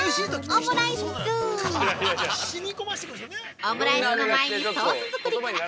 オムライスの前に、ソース作りから！